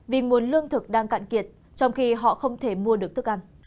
vì nguồn lương thực đang cạn kiệt trong khi họ không thể mua được thức ăn